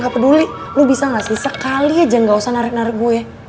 gak peduli lu bisa gak sih sekali aja gak usah narik narik gue ya